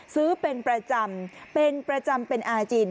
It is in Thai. ซื้อเป็นประจำเป็นประจำเป็นอาจิน